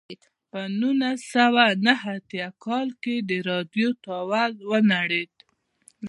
په نولس سوه نهه اتیا کال کې د راډیو ټاور را ونړېد.